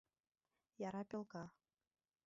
Яра пӧлка.